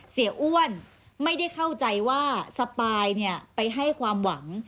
อ้วนไม่ได้เข้าใจว่าสปายไปให้ความหวัง